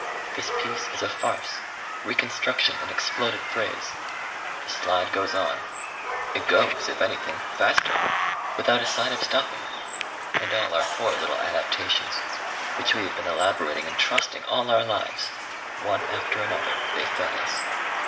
This peace is a farce, reconstruction an exploded phrase. The slide goes on, it goes, if anything, faster, without a sign of stopping. And all our poor little adaptations! Which we have been elaborating and trusting all our lives!... One after another they fail us.